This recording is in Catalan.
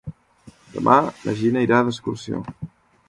Demà na Gina irà d'excursió.